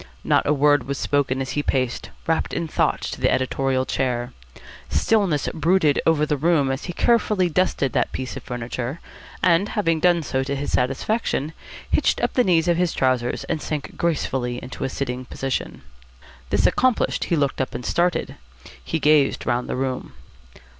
Not a word was spoken as he paced, wrapped in thought, to the editorial chair. Stillness brooded over the room as he carefully dusted that piece of furniture, and, having done so to his satisfaction, hitched up the knees of his trousers and sank gracefully into a sitting position. This accomplished, he looked up and started. He gazed round the room.